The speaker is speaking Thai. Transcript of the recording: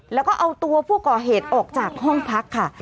แล้วก็เอาตัวผู้ก่อเหตุออกจากห้องพักค่ะ